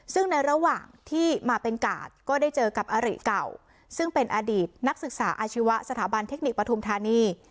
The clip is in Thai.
ซึ่งในระหว่างที่มาเป็นกาดก็ได้เจอกับอริเก่าซึ่งเป็นอดีตนักศึกษาอาชีวะสถาบันเทคนิคปฐุมธานี